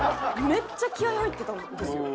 めっちゃ気合入ってたんですよ。